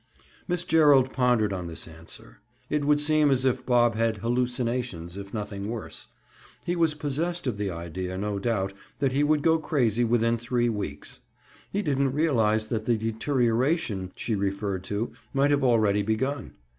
Miss Gerald pondered on this answer. It would seem as if Bob had "hallucinations," if nothing worse. He was possessed of the idea, no doubt, that he would go crazy within three weeks. He didn't realize that the "deterioration," she referred to, might have already begun.